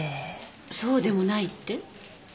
そうでもないって？